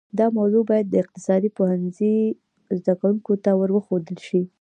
دا موضوع باید د اقتصاد پوهنځي زده کونکو ته ورښودل شي